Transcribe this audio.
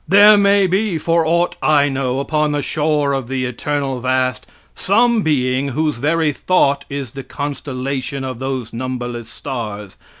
There may be, for aught I know, upon the shore of the eternal vast, some being whose very thought is the constellation of those numberless stars.